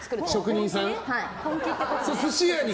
職人さん。